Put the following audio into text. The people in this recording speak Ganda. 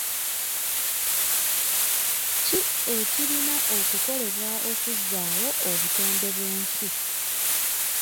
ki ekirina okukolebwa okuzzaawo obutonde bw'ensi?